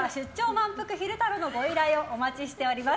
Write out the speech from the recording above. まんぷく昼太郎のご依頼をお待ちしております。